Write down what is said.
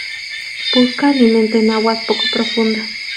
Busca alimento en aguas poco profundas.